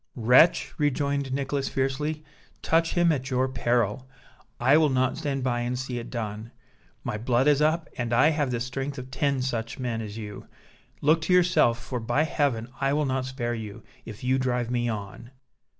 "Wretch," rejoined Nicholas, fiercely, "touch him at your peril! I will not stand by and see it done. My blood is up, and I have the strength of ten such men as you. Look to yourself, for by Heaven I will not spare you, if you drive me on!"